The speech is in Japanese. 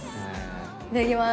いただきます。